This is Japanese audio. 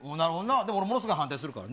でも俺ものすごい反対するからな。